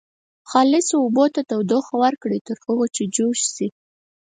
خالصو اوبو ته تودوخه ورکړئ تر هغو چې جوش شي.